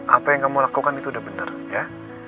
apa yang kamu lakukan itu udah benar ya